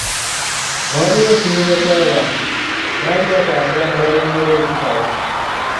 Waaliwo ekibinja kya bantu, baali batambula ne balengera ekibala.